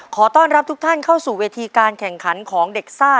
ขอต้อนรับทุกท่านเข้าสู่เวทีการแข่งขันของเด็กซ่า